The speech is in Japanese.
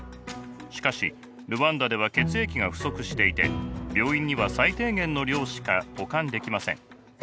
しかしルワンダでは血液が不足していて病院には最低限の量しか保管できません。